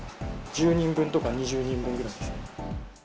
１０人分とか２０人分ぐらいですね。